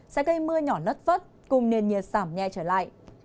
sẽ gây mưa nhỏ nất phất cùng nền nhiệt giảm nhẹ trở lại